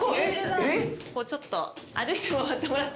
ちょっと歩いて回ってもらって。